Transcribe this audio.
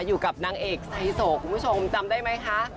อยู่กับนางเอกไฮโซคุณผู้ชมจำได้ไหมคะ